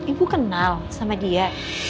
ibu kenal sama dia